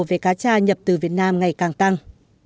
về cá cha nhập từ việt nam ngày càng tăng